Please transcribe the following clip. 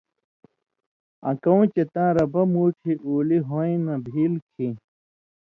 آں کؤں چے تاں ربہ مُوٹھی اُولی ہوئیں نہ بھیل کھیں،